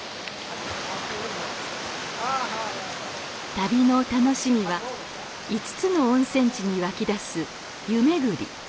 旅の楽しみは５つの温泉地に湧き出す湯巡り。